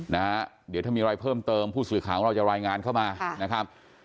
เดี๋ยวถ้ามีอะไรเพิ่มเติมผู้สื่อของเราจะรายงานเข้ามา